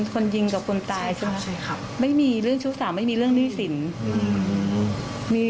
คนยิงกับคนตายใช่ครับไม่มีเรื่องชุดสารไม่มีเรื่องนิศิลป์